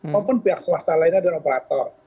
maupun pihak swasta lainnya dan operator